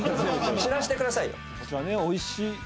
おいしい。